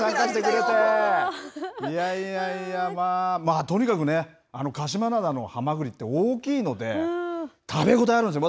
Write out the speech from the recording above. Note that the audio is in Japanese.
いやいやいや、まあ、とにかくね、鹿島灘のはまぐりって大きいので、食べ応えあるんですよ。